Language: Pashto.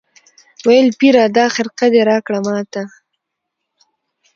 ویل پیره دا خرقه دي راکړه ماته